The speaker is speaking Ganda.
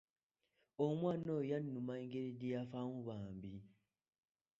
Omwana oyo yannuma engeri gye yafaamu bambi.